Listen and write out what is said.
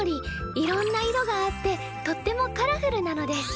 いろんな色があってとってもカラフルなのです。